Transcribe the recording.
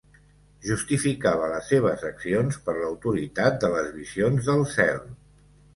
Justificava les seves accions per l'autoritat de les visions del cel.